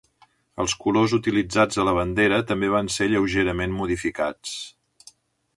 Els colores utilitzats a la bandera també van ser lleugerament modificats.